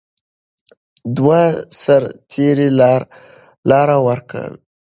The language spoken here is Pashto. دوه سرتیري لاره ورکه کوي.